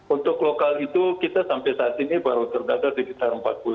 untuk lokal itu kita sampai saat ini baru terdata sekitar empat puluh